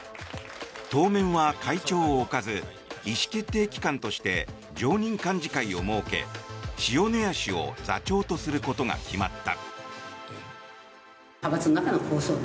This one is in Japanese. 当面は会長を置かず意思決定機関として常任幹事会を設け、塩谷氏を座長とすることが決まった。